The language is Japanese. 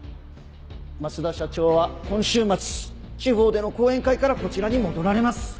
増田社長は今週末地方での講演会からこちらに戻られます。